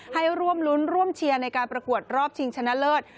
ให้ร่วมรุ้นร่วมเชียร์ในการประกวดรอบชิงชนะเลิศ